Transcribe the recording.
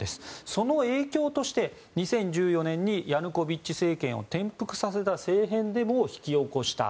その影響として、２０１４年にヤヌコビッチ政権を転覆させた政変デモを引き起こした。